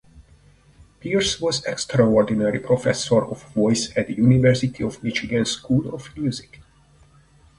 Pierce was extraordinary professor of voice at the University of Michigan School of Music.